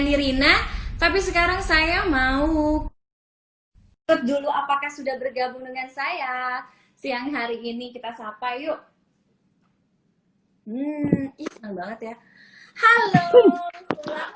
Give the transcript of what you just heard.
dia tapi sekarang saya mau dulu apakah sudah bergabung dengan saya siang hari ini kita sapa yuk